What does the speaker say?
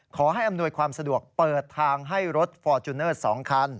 อำนวยความสะดวกเปิดทางให้รถฟอร์จูเนอร์๒คัน